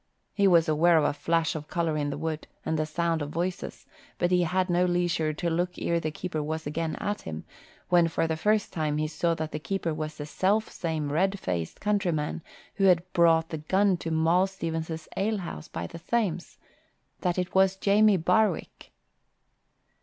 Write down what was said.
He was aware of a flash of colour in the wood, and the sound of voices, but he had no leisure to look ere the keeper was again at him, when for the first time he saw that the keeper was the selfsame red faced countryman who had brought the gun to Moll Stevens's alehouse by the Thames that it was Jamie Barwick.